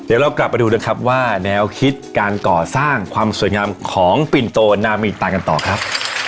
เดี๋ยวเรากลับมาดูนะครับว่าแนวคิดการก่อสร้างความสวยงามของปินโตนามีนตากันต่อครับ